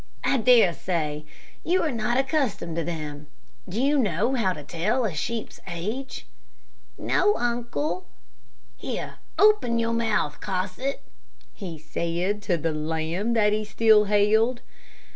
"I dare say. You are not accustomed to them. Do you know how to tell a sheep's age?" "No, uncle." "Here, open your mouth, Cosset," he said to the lamb that he still held.